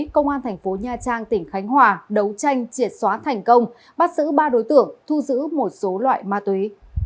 công an tp hcm tỉnh khánh hòa đấu tranh triệt xóa thành công bắt giữ ba đối tượng thu giữ một số loại ma túy